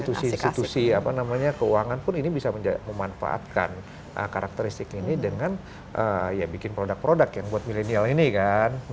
institusi institusi apa namanya keuangan pun ini bisa memanfaatkan karakteristik ini dengan ya bikin produk produk yang buat milenial ini kan